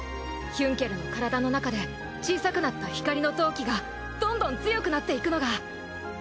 ヒュンケルの体の中で小さくなった光の闘気がどんどん強くなっていくのが。